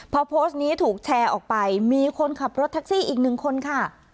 พอโพสต์นี้ถูกแชร์ออกไปมีคนขับรถแท็กซี่อีกหนึ่งคนค่ะ